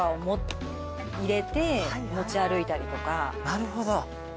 なるほど。